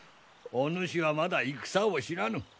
お主はまだ戦を知らぬ。